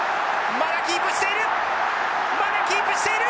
まだキープしている！